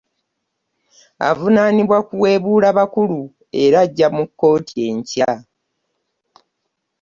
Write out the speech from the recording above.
Avunaanibwa kuweebula bakulu era ajja mu kkooti enkya.